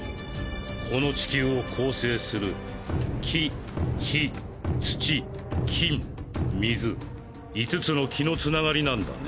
この地球を構成する木火土金水５つの気のつながりなんだね。